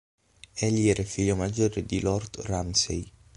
Egli era il figlio maggiore di Lord Ramsay.